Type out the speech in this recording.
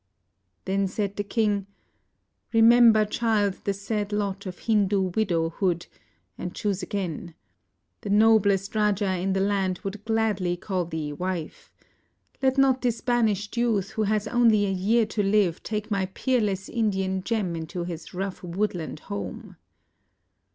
Then said the king, "Remember, child, the sad lot of Hindu widowhood and choose again. The noblest raja in the land would gladly call thee wife. Let not this banished youth who has only a year to live take my peerless Indian gem into his rough woodland home."